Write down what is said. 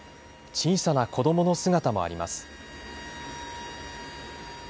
小さな子どもの姿もあります。